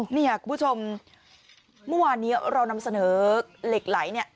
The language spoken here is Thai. เนี่ยคุณผู้ชมเมื่อวานนี้เรานำเสนอเหล็กไหลเนี่ย